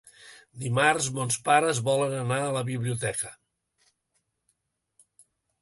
Dimarts mons pares volen anar a la biblioteca.